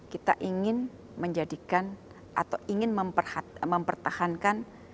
kita ingin menjadikan atau ingin mempertahankan